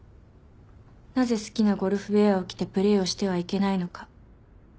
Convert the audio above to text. なぜ好きなゴルフウエアを着てプレーをしてはいけないのか。